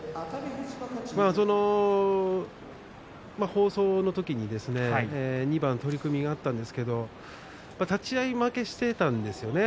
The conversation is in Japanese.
放送の時に２番取組があったんですが立ち合い負けしていたんですよね